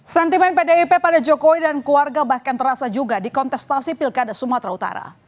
sentimen pdip pada jokowi dan keluarga bahkan terasa juga di kontestasi pilkada sumatera utara